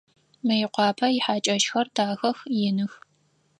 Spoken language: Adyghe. Мыекъуапэ ихьакӏэщхэр дахэх, иных.